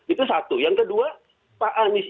itu satu yang kedua pak anies